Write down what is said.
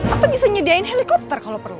atau bisa nyediain helikopter kalau perlu